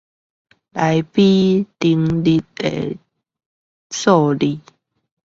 來比登入次數啊